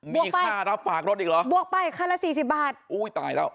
มีค่ารับฝากรถอีกเหรออุ้ยตายแล้ว